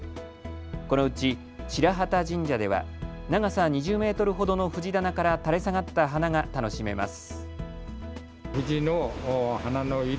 このうち白旗神社では長さ２０メートルほどのふじ棚から垂れ下がった花が楽しめます。